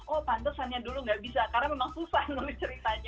oh pantesannya dulu nggak bisa karena memang susah menulis ceritanya